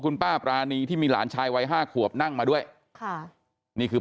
คุณป้าปรานีที่มีหลานชายวัยห้าขวบนั่งมาด้วยค่ะนี่คือ